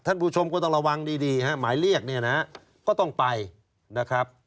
ท่านผู้ชมก็ต้องระวังดีหมายเรียกก็ต้องไปนะครับ